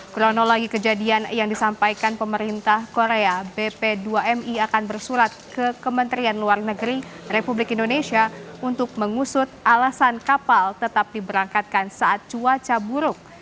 kronologi kejadian yang disampaikan pemerintah korea bp dua mi akan bersurat ke kementerian luar negeri republik indonesia untuk mengusut alasan kapal tetap diberangkatkan saat cuaca buruk